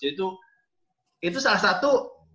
jadi itu salah satu